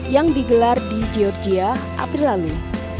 yang digelar di georgia april lalu